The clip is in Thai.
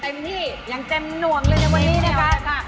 จำนี้นี่แล้วก็ของออกอย่างไรคะ